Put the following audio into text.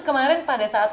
kemarin pada saat